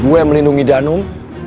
gue melindungi danum